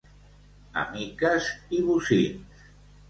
A miques i bocins.